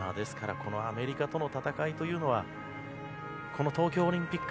このアメリカとの戦いというのはこの東京オリンピック